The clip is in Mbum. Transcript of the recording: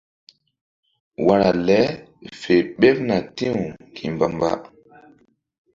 Wara le fe ɓeɓna ti̧w ŋgi̧mba-mba.